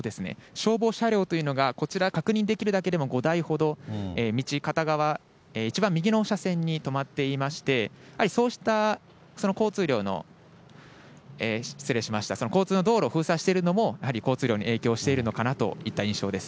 消防車両というのがこちら、確認できるだけでも５台ほど、道、片側一番右の車線に止まっていまして、やはりそうした交通量の、失礼しました、交通の道路を封鎖しているのも、交通量に影響しているのかなといった印象です。